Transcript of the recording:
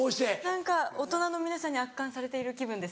何か大人の皆さんに圧巻されている気分です。